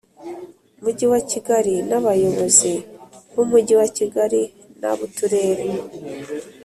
Mujyi wa Kigali n abayobozi b Umujyi wa Kigali n ab Uturere